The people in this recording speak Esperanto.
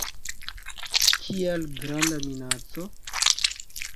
Kial granda minaco?